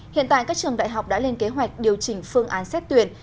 hiện tại các trường đại học đã lên kế hoạch điều chỉnh phương án xét tuyển